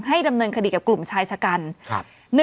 ดำเนินคดีกับกลุ่มชายชะกัน